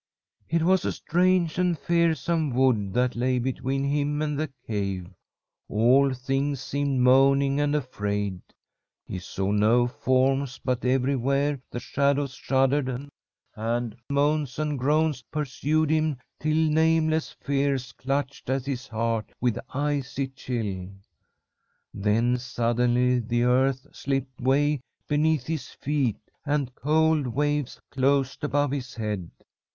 "It was a strange and fearsome wood that lay between him and the cave. All things seemed moaning and afraid. He saw no forms, but everywhere the shadows shuddered, and moans and groans pursued him till nameless fears clutched at his heart with icy chill. Then suddenly the earth slipped way beneath his feet, and cold waves closed above his head.